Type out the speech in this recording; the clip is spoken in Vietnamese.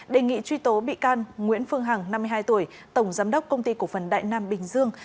đề nghị truy tố bị can nguyễn phương hằng năm mươi hai tuổi tổng giám đốc công ty cổ phần đại nam bình dương